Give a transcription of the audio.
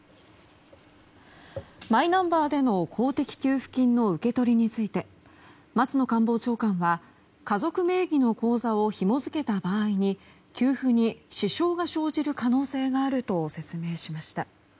マイナンバーでの公的給付金の受け取りについて松野官房長官は家族名義の口座をひも付けた場合に給付に支障が生じる可能性があると説明しました。